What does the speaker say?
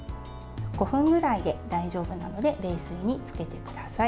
５分ぐらいで大丈夫なので冷水につけてください。